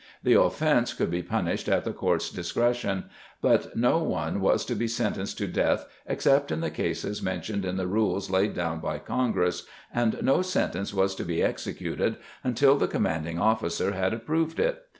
The offense could be punished at the court's discretion, but no one was to be sentenced to death except in the cases mentioned in the rules layed down by congress and no sentence was to be executed until the commanding officer had approved it.